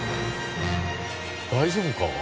大丈夫か？